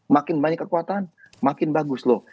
makin banyak kekuatan makin bagus loh